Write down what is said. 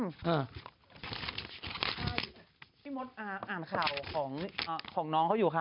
พี่มดอ่านข่าวของน้องเขาอยู่ค่ะ